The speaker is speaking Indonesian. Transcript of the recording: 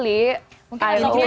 kita geser dulu ya